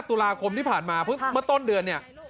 ตุลาคมที่ผ่านมาเพิ่งเมื่อต้นเดือนเนี่ย